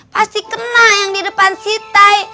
pasti kena yang di depan sitai